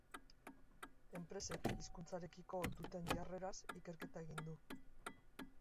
Enpresek hizkuntzarekiko duten jarreraz ikerketa egin du.